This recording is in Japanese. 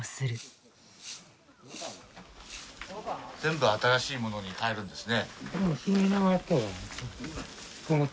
全部新しいものに替えるんですね。